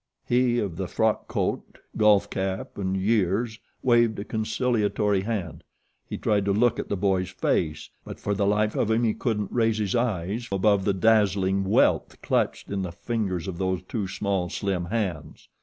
He of the frock coat, golf cap, and years waved a conciliatory hand. He tried to look at the boy's face; but for the life of him he couldn't raise his eyes above the dazzling wealth clutched in the fingers of those two small, slim hands.